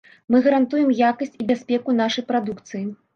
Мы гарантуем якасць і бяспеку нашай прадукцыі.